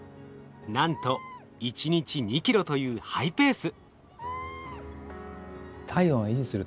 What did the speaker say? なんと１日２ｋｇというハイペース。